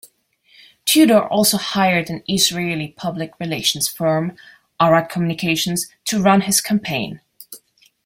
Tudor also hired an Israeli public relations firm, Arad Communications, to run his campaign.